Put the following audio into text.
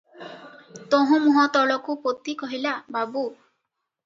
ତହୁଁ ମୁହଁ ତଳକୁ ପୋତି କହିଲା- "ବାବୁ!